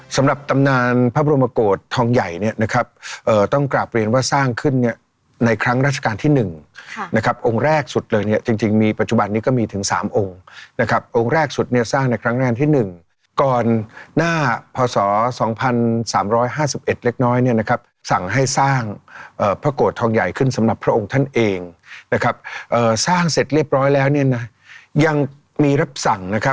สำหรับตำนานพระบรมโกรธทองใหญ่เนี่ยนะครับต้องกราบเรียนว่าสร้างขึ้นเนี่ยในครั้งราชการที่๑นะครับองค์แรกสุดเลยเนี่ยจริงมีปัจจุบันนี้ก็มีถึง๓องค์นะครับองค์แรกสุดเนี่ยสร้างในครั้งแรกที่๑ก่อนหน้าพศ๒๓๕๑เล็กน้อยเนี่ยนะครับสั่งให้สร้างพระโกรธทองใหญ่ขึ้นสำหรับพระองค์ท่านเองนะครับสร้างเสร็จเรียบร้อยแล้วเนี่ยนะยังมีรับสั่งนะครับ